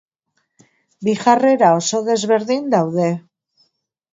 Bi jarrera oso desberdin daude.